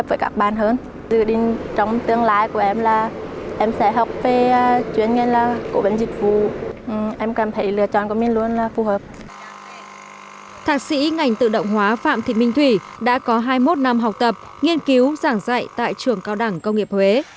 thạc sĩ ngành tự động hóa phạm thị minh thủy đã có hai mươi một năm học tập nghiên cứu giảng dạy tại trường cao đẳng công nghiệp huế